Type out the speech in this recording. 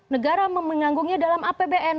negara menganggungnya dalam apbn